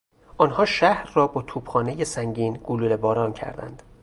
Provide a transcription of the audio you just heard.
آنها شهر را با توپخانه سنگین گلوله باران کردند.